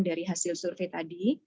dari hasil survei tadi